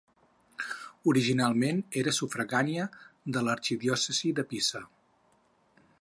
Originalment era sufragània de l'arxidiòcesi de Pisa.